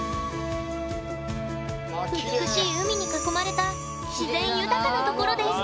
美しい海に囲まれた自然豊かなところです。